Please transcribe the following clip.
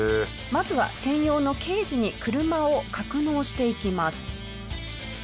まずは専用のケージに車を格納していきます。